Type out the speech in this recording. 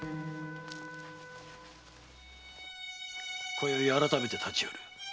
今宵あらためて立ち寄る。